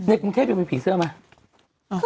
ในกรุงเทพยังมีผีเสื้อไหม